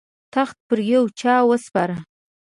تخت پر یوه چا وسپاره.